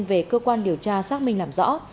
về cơ quan điều tra xác minh làm rõ